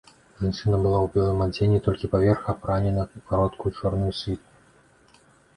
Жанчына была ў белым адзенні, толькі паверх апранена ў кароткую чорную світку.